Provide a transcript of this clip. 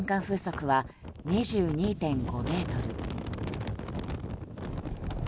風速は２２．５メートル。